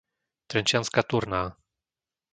Trenčianska Turná